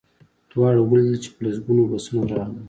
دواړو ولیدل چې په لسګونه بسونه راغلل